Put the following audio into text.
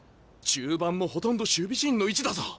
中盤もほとんど守備陣の位置だぞ。